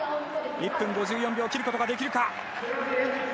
１分５４秒を切ることができるか。